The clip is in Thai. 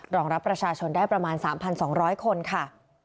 รองรับประชาชนได้ประมาณ๓๒๐๐คนค่ะ